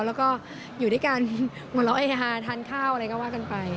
แล้วก็อยู่ด้วยกันหัวเราะเฮฮาทานข้าวอะไรก็ว่ากันไป